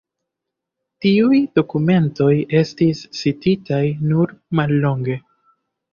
Tiuj dokumentoj estis cititaj nur mallonge.